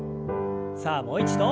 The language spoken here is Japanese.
さあもう一度。